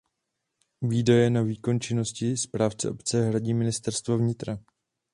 Výdaje na výkon činnosti správce obce hradí Ministerstvo vnitra.